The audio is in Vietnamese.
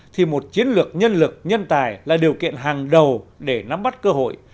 thì một chiến lược nhân lực nhân tài là điều kiện hàng đầu để nắm bắt cơ hội